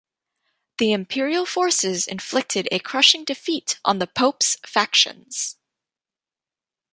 The Imperial forces inflicted a crushing defeat on the Pope's factions.